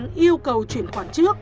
vì bên bán yêu cầu chuyển khoản trước